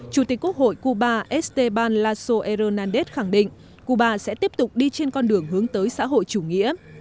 chủ tịch quốc hội cuba esteban lasso hernández khẳng định cuba sẽ tiếp tục đi trên con đường hướng tới xã hội chủ nghĩa